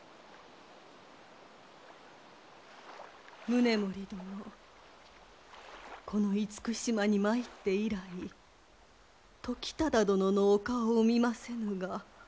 宗盛殿この厳島に参って以来時忠殿のお顔を見ませぬが？